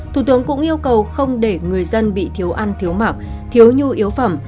thủ tướng cũng yêu cầu không để người dân bị thiếu ăn thiếu mặc thiếu nhu yếu phẩm